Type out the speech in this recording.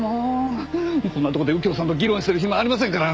こんなとこで右京さんと議論してる暇ありませんから！